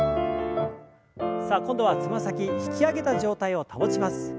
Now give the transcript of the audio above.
さあ今度はつま先引き上げた状態を保ちます。